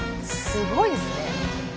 すごいですね。